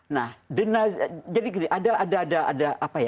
bahasanya lebih ke rusia